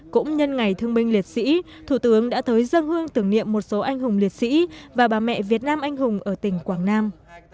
cũng nhân ngày thương binh liệt sĩ thủ tướng đã tới dân hương tưởng niệm một số anh hùng liệt sĩ và bà mẹ việt nam anh hùng ở tỉnh quảng nam